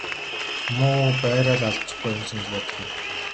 Муу байраа л алдчихгүй юмсан гэж бодох юм.